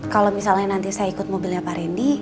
kalau misalnya nanti saya ikut mobilnya pak randy